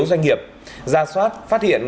doanh nghiệp ra soát phát hiện